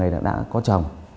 đã có chồng